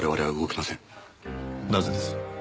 なぜです？